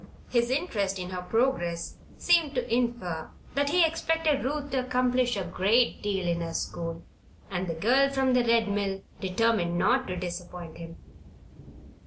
His interest in her progress seemed to infer that he expected Ruth to accomplish a great deal in her school, and the girl from the Red Mill determined not to disappoint him.